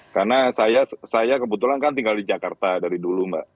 karena saya kebetulan kan tinggal di jakarta dari dulu mbak